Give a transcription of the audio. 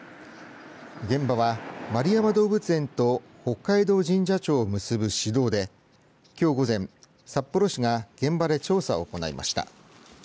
現場は円山動物園と北海道神社庁を結ぶ市道できょう午前、札幌市が現場で調査を行いました。